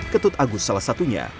ketut agus salah satunya